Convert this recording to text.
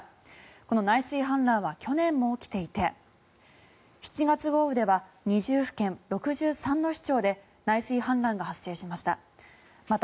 この内水氾濫は去年も起きていて７月豪雨では２０府県６３の市町で内水氾濫が発生しました。